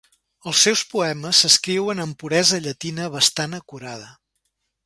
Els seus poemes s'escriuen amb puresa llatina bastant acurada.